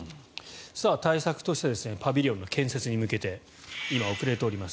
対策としてパビリオンの建設に向けて今遅れております。